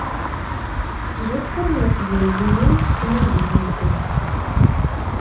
Ttzuxun Yiqbayliyen s tmagit-nsen.